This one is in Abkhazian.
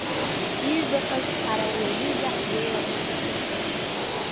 Иҩбахаз, ҳара уи аҩыза ҳзеилам џьысшьоит.